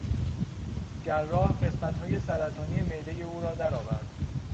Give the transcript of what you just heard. جراح قسمتهای سرطانی معدهی او را درآورد.